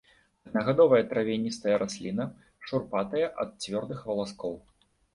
Аднагадовая травяністая расліна, шурпатая ад цвёрдых валаскоў.